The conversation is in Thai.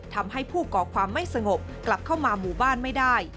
ทำให้ผู้ก่อความไม่สงบกลับเข้ามาหมู่บ้านไม่ได้